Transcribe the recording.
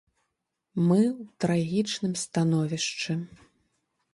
Мы ў трагічным становішчы.